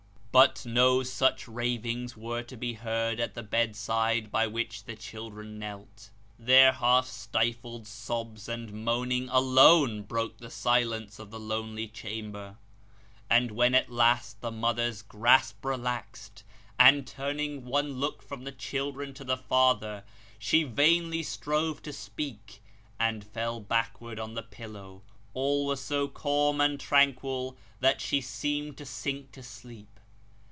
But no such ravings were to be heard at the bedside by which the children knelt. Their half stifled sobs and moanings alone broke the silence of the lonely chamber. And when at last the mother's grasp relaxed, and, turning one look from the children to the father, she vainly strove to speak, and fell backward on the pillow, all was so calm and tranquil that she seemed to sink to sleep.